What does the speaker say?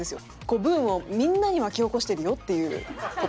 ブームをみんなに巻き起こしてるよっていう事。